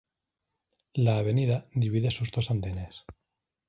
La avenida divide sus dos andenes.